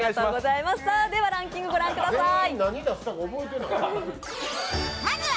ではランキング御覧ください。